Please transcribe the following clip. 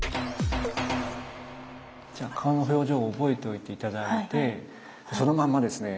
じゃあ顔の表情を覚えておいて頂いてそのまんまですね